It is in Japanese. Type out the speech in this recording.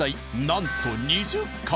なんと２０回。